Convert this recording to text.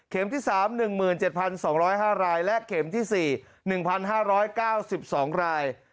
ที่๓๑๗๒๐๕รายและเข็มที่๔๑๕๙๒ราย